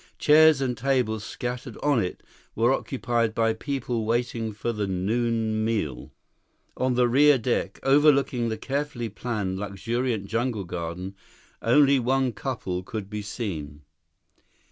Chairs and tables scattered on it were occupied by people waiting for the noon meal. On the rear deck, overlooking the carefully planned, luxuriant jungle garden, only one couple could be seen.